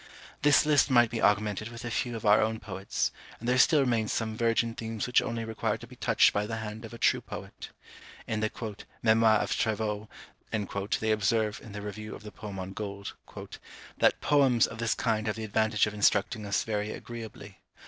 This list might be augmented with a few of our own poets, and there still remain some virgin themes which only require to be touched by the hand of a true poet. In the "Memoirs of Trevoux," they observe, in their review of the poem on Gold, "That poems of this kind have the advantage of instructing us very agreeably.